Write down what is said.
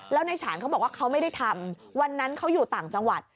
แล้วในฉานเขาบอกว่าเขาไม่ได้ทำวันนั้นเขาอยู่ต่างจังหวัด